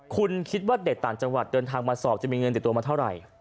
คุณคิดว่าเด็กต่างจังหวัดเดินทางมาสอบจะมีเงินติดตัวมาเท่าไหร่